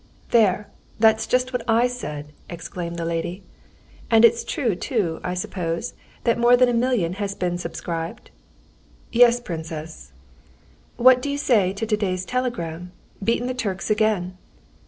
"There! That's just what I said!" exclaimed the lady. "And it's true too, I suppose, that more than a million has been subscribed?" "Yes, princess." "What do you say to today's telegram? Beaten the Turks again."